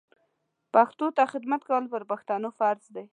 پښتو ته خدمت کول پر پښتنو فرض ده